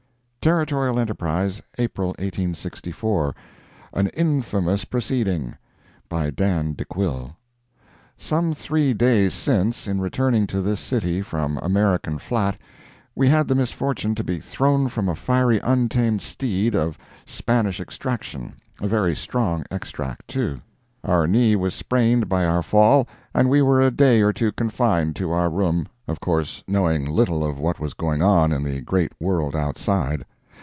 Territorial Enterprise, April 1864 AN INFAMOUS PROCEEDING [by Dan De Quille] Some three days since, in returning to this city from American Flat, we had the misfortune to be thrown from a fiery untamed steed of Spanish extraction—a very strong extract, too. Our knee was sprained by our fall and we were for a day or two confined to our room—of course knowing little of what was going on in the great world outside.